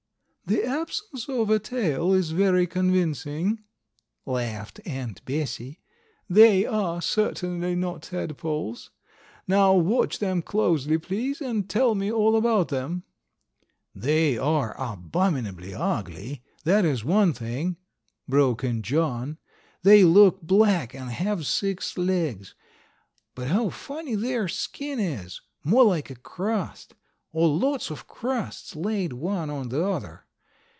"The absence of a tail is very convincing," laughed Aunt Bessie. "They are certainly not tadpoles. Now watch them closely, please, and tell me all about them." "They are abominably ugly. That is one thing," broke in John. "They look black, and have six legs. But how funny their skin is. More like a crust, or lots of crusts laid one on the other.